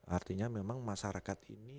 artinya memang masyarakat ini